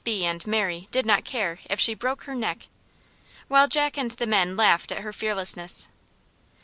B. and Mary did not care if she "broke her neck," while Jack and the men laughed at her fearlessness.